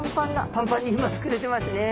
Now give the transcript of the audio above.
パンパンに今膨れてますね。